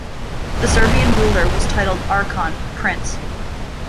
The Serbian ruler was titled "archon", "prince".